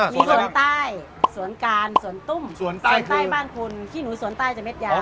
มีสวนใต้สวนการสวนตุ้มส่วนใต้บ้านคุณขี้หนูสวนใต้จะเด็ดยาว